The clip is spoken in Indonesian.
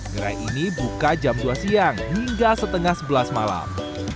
gerai ini buka jam dua siang hingga setengah sebelas malam